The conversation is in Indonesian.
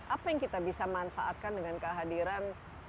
apa yang kita bisa manfaatkan dengan kehadiran